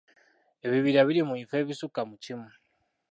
Ebibira biri mu bifo ebisukka mu kimu.